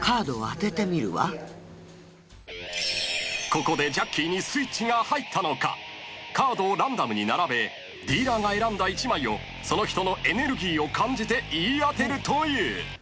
［ここでジャッキーにスイッチが入ったのかカードをランダムに並べディーラーが選んだ１枚をその人のエネルギーを感じて言い当てるという］